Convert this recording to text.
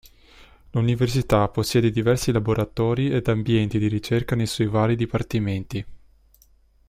L'università possiede diversi laboratori ed ambienti di ricerca nei suoi vari dipartimenti.